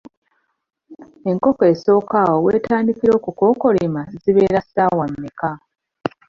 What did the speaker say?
Enkoko esooka awo weetandikira okukookolima zibeera ssaawa mmeka?